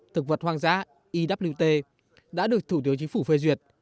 thực vật hoang dã iwt đã được thủ tướng chính phủ phê duyệt